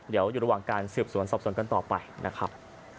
เดี๋ยวอยู่ระหว่างการสืบสวนสอบสวนกันต่อไปนะครับ